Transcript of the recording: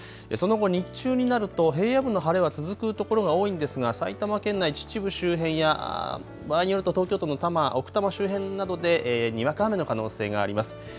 その後、日中になると平野部の晴れは続くところが多いんですが埼玉県内、秩父市周辺や場合によると東京都の奥多摩周辺などでにわか雨の可能性があります。